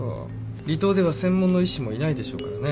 離島では専門の医師もいないでしょうからね